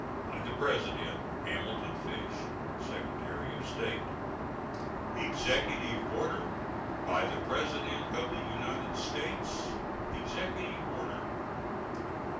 By the President: HAMILTON FISH, Secretary of State. EXECUTIVE ORDER. BY THE PRESIDENT OF THE UNITED STATES. EXECUTIVE ORDER.